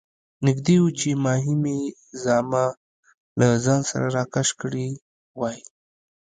نږدې وو چې ماهي مې زامه له ځان سره راکش کړې وای.